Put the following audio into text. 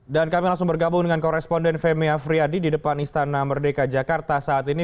dan kami langsung bergabung dengan koresponden femi afriyadi di depan istana merdeka jakarta saat ini